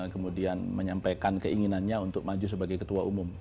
kemudian menyampaikan keinginannya untuk maju sebagai ketua umum